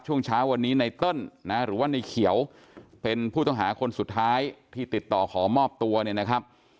ช่วงเช้าวันนี้ไนเติ้ลนะหรือว่าในเขียวเป็นผู้ต้องหาคนสุดท้ายที่ติดต่อขอมอบตัวเนี่ยนะครับ